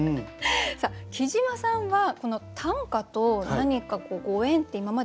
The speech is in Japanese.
さあきじまさんはこの短歌と何かご縁って今までありましたか？